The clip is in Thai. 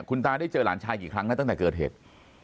คุณตาได้เจอหลานชายกี่ครั้งนะตั้งแต่เกิดเหตุ